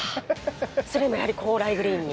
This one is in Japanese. それもやはり高麗グリーンに。